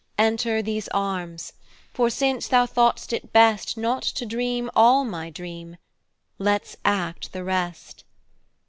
Enter these arms, for since thou thought'st it bestNot to dream all my dream, let's act the rest.